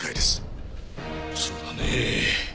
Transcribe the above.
そうだねえ。